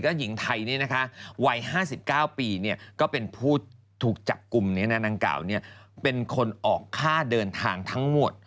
ก็หญิงไทยเนี่ยนะคะวัย๕๙ปีเนี่ยก็เป็นผู้ถูกจับกลุ่มนางกาลเป็นคนออกค่าเดินทางทั้งหมด